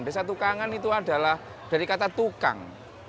desa tukangan itu adalah dari kata tukang